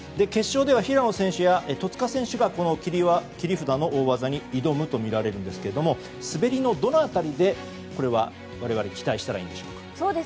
決勝では平野選手や戸塚選手がこの切り札の大技に挑むとみられるんですけど滑りの、どの辺りで我々、期待したらいいんでしょう。